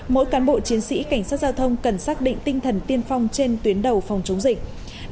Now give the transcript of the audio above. mỗi cán bộ chiến sĩ cảnh sát giao thông cần xác định tinh thần tiên phong trên tuyến đầu phòng chống dịch